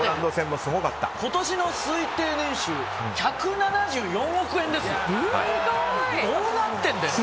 今年の推定年収１７４億円ですよ。